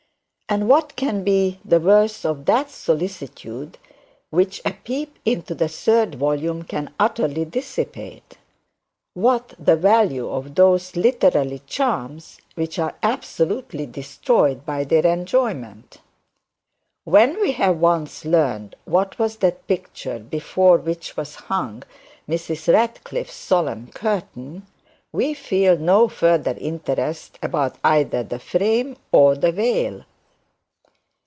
And what can be the worth of that solicitude which a peep into the third volume can utterly dissipate? What the value of those literary charms which are absolutely destroyed by their enjoyment? When we have once learnt what was the picture before which was hung Mrs Radcliffe's solemn curtain, we feel no further interest about either the frame or the veil.